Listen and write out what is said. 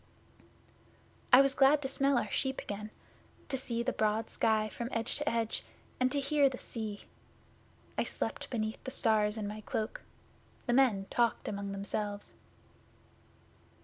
'I was glad to smell our sheep again; to see the broad sky from edge to edge, and to hear the sea. I slept beneath the stars in my cloak. The men talked among themselves.